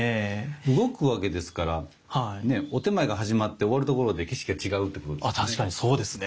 動くわけですからねお点前が始まって終わるところで景色が違うってことですもんね。